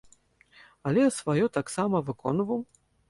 Але сваё таксама выконваў?